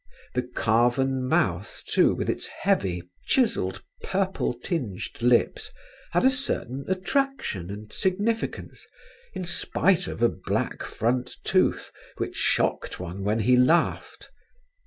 The carven mouth, too, with its heavy, chiselled, purple tinged lips, had a certain attraction and significance in spite of a black front tooth which shocked one when he laughed.